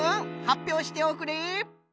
はっぴょうしておくれ。